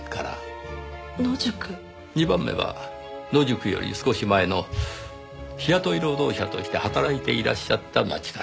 ２番目は野宿より少し前の日雇い労働者として働いていらっしゃった街から。